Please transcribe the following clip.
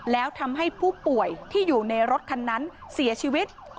แล้วทำให้ผู้ป่วยที่อยู่ในรถคันนั้นเสียชีวิต